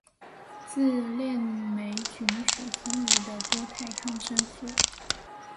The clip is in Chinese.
自链霉菌属分离的多肽抗生素。